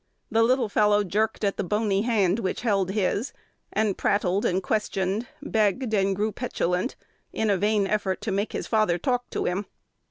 The little fellow jerked at the bony hand which held his, and prattled and questioned, begged and grew petulant, in a vain effort to make his father talk to him.